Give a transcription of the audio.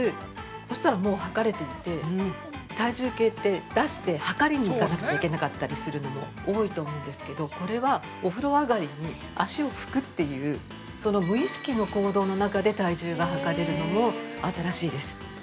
そしたら、もう量れていて、体重計って出して量りに行かいといけないのが多いと思うんですけれども、これは、お風呂上がりに、足を拭くというその無意識の行動の中で、体重が量れるのも、新しいです。